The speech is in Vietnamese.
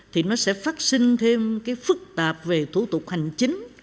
thì nó sẽ phát sinh thêm cái phức tạp về thủ tục hành chính